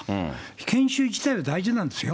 研修自体は大事なんですよ。